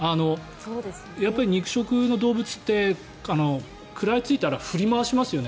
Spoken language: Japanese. やっぱり肉食の動物って食らいついたら振り回しますよね